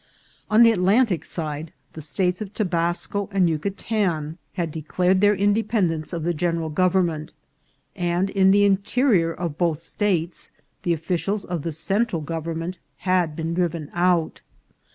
On the Atlantic side, the states of Tobasco and Yucatan had declared their VOL. II.— 3 B 378 INCIDENTS OF TRATEL. independence of the general government, and in the interior of both states the officials of the Central gov ernment had been driven out.